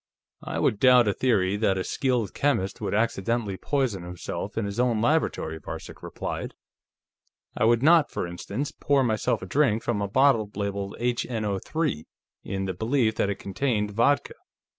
"I would doubt a theory that a skilled chemist would accidentally poison himself in his own laboratory," Varcek replied. "I would not, for instance, pour myself a drink from a bottle labeled HNO_3 in the belief that it contained vodka.